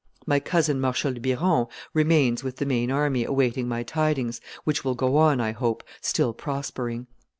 My cousin Marshal de Biron remains with the main army awaiting my tidings, which will go on, I hope, still prospering.